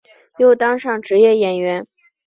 又当上职业演员。